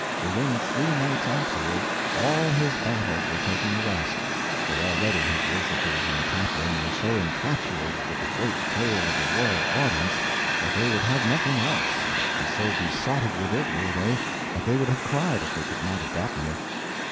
Within three nights afterward all his battles were taking a rest, for already his worshipers in the tap room were so infatuated with the great tale of the Royal Audience that they would have nothing else, and so besotted with it were they that they would have cried if they could not have gotten it.